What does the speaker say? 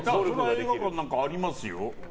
映画館なんかありますよ。